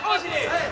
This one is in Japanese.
はい。